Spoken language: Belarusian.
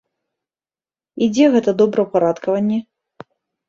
І дзе гэта добраўпарадкаванне?